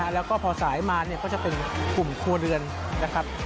แล้วก็พอสายมาเนี่ยก็จะเป็นกลุ่มครัวเรือนนะครับ